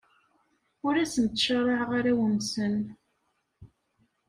Ur asen-ttcaṛaɛeɣ arraw-nsen.